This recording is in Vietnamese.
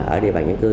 ở địa bàn dân cư